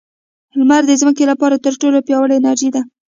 • لمر د ځمکې لپاره تر ټولو پیاوړې انرژي ده.